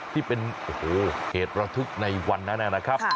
ที่เป็นเหตุระทึกในวันนั้นแน่นะครับ